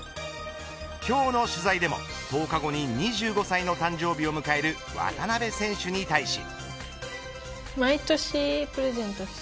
今日の取材でも１０日後に２５歳の誕生日を迎える渡辺選手に対し。